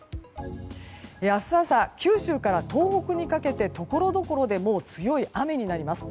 明日朝九州から東北にかけてところどころでもう強い雨になります。